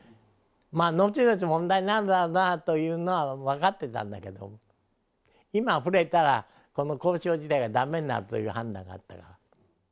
まあ、のちのち問題になるだろうなというのは分かってたんだけども、今触れたら、この交渉自体がだめになるという判断があったから。